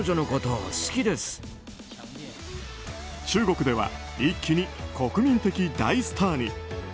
中国では一気に国民的大スターに。